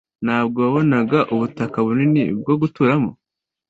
nawo wabonaga ubutaka bunini bwo guturamo